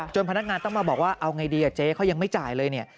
จนพนักงานต้องมาบอกว่าเอาไงดีเจ๊เขายังไม่จ่ายเลย